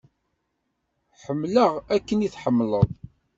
Ḥemmleɣ akken i tḥemmleḍ.